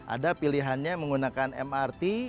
ada pilihannya menggunakan mrt